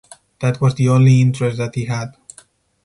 That was the only interest that he had.